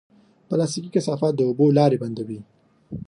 پلاستيکي کثافات د اوبو لارې بندوي.